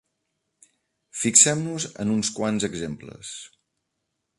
Fixem-nos en uns quants exemples.